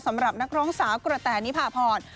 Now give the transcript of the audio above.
สำหรับนักร้องสาวกระแตนิพาพร